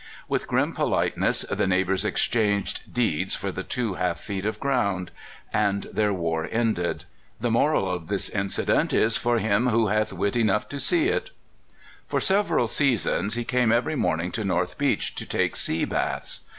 With grim politeness the neighbors exchanged deeds for 16 242 CALIFORNIA SKETCHES. the two half feet of ground, and their war ended. The moral of this incident is for him who hath wit enough to see it. For several seasons he came every morning to North Beach to take sea baths.